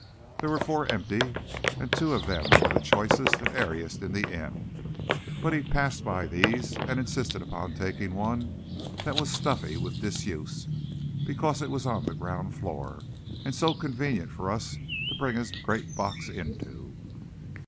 There were four empty, and two of them were the choicest and airiest in the inn, but he passed by these and insisted upon taking one that was stuffy with disuse, because it was on the ground floor, and so convenient for us to bring his great box into.